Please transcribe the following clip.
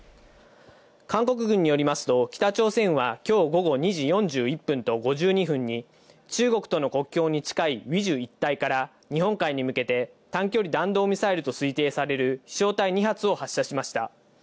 韓国軍によりますと、北朝鮮はきょう午後２時４１分と５２分に、中国との国境に近いウィジュ一帯から日本海に向けて短距離弾道ミサイルと推定される飛しょう体２発を発射しました。